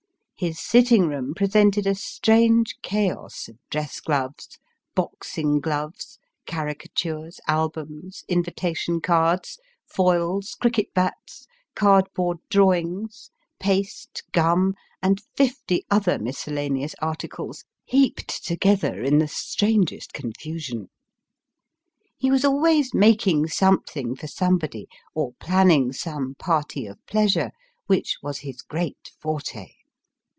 His sitting room presented a strange chaos of dress Mr. Percy Noakes. 289 gloves, boxing gloves, caricatures, albums, invitation cards, foils, cricket bats, cardboard drawings, paste, gum, and fifty other mis cellaneous articles, heaped together in the strangest confusion. He was always making something for somebody, or planning some party of pleasure, which was his great forte.